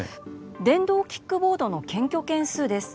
電動キックボードの検挙件数です。